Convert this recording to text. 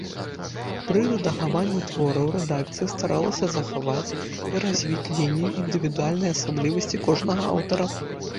Пры рэдагаванні твораў рэдакцыя старалася захаваць і развіць лінію індывідуальнай асаблівасці кожнага аўтара.